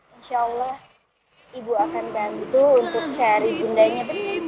insya allah ibu akan bantu untuk cari bundanya